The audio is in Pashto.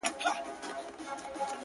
نه شرنګى سته د پاوليو نه پايلو٫